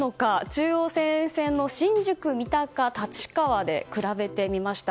中央線沿線の新宿、三鷹、立川で比べてみました。